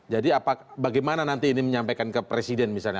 jadi bagaimana nanti ini menyampaikan ke presiden misalnya